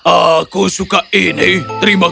aku suka ini terima kasih